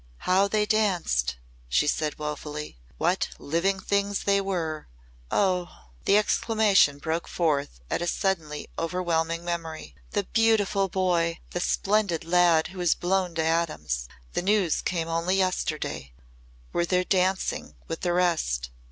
"How they danced!" she said woefully. "What living things they were! Oh!" the exclamation broke forth at a suddenly overwhelming memory. "The beautiful boy the splendid lad who was blown to atoms the news came only yesterday was there dancing with the rest!"